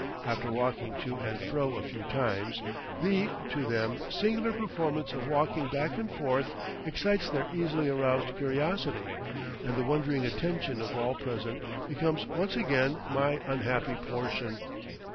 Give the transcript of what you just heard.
After walking to and fro a few times, the, to them, singular performance of walking back and forth excites their easily aroused curiosity, and the wondering attention of all present becomes once again my unhappy portion.